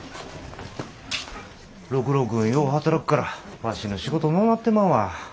六郎君よう働くからワシの仕事のうなってまうわ。